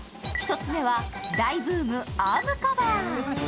１つ目は大ブーム・アームカバー。